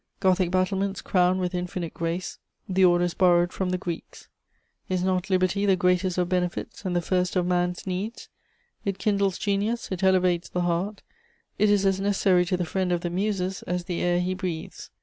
Gothic battlements crowned with infinite grace the orders borrowed from the Greeks. Is not liberty the greatest of benefits and the first of man's needs? It kindles genius, it elevates the heart, it is as necessary to the friend of the Muses as the air he breathes.